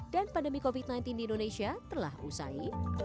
pandemi covid sembilan belas di indonesia telah usai